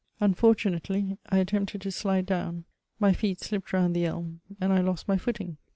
Unfortunately, I attempted to slide down, my feet slipped round the elm, and I lost my footing.